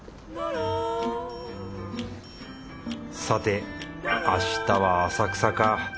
さて明日は浅草か。